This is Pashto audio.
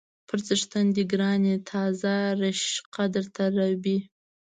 _پر څښتن دې ګران يې، تازه رشقه درته رېبي.